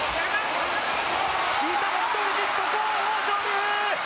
引いた北勝富士、そこを豊昇龍！